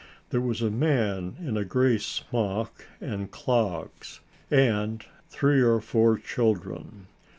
There was a man in a gray smock and clogs, and three or four children.